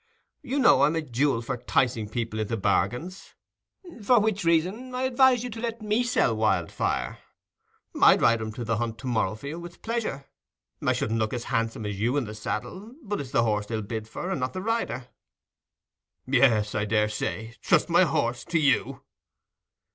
You know I'm a jewel for 'ticing people into bargains. For which reason I advise you to let me sell Wildfire. I'd ride him to the hunt to morrow for you, with pleasure. I shouldn't look so handsome as you in the saddle, but it's the horse they'll bid for, and not the rider." "Yes, I daresay—trust my horse to you!"